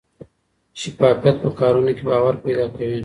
شفافیت په کارونو کې باور پیدا کوي.